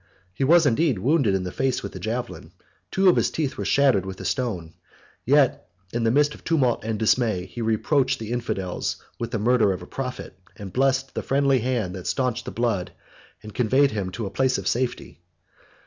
He was indeed wounded in the face with a javelin: two of his teeth were shattered with a stone; yet, in the midst of tumult and dismay, he reproached the infidels with the murder of a prophet; and blessed the friendly hand that stanched his blood, and conveyed him to a place of safety.